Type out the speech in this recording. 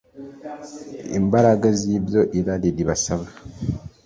imbaraga zi byo irari ribasaba